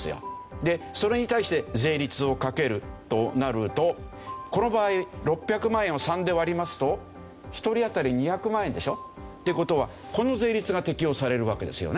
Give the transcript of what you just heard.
でそれに対して税率をかけるとなるとこの場合６００万円を３で割りますと１人あたり２００万円でしょ？っていう事はこの税率が適用されるわけですよね。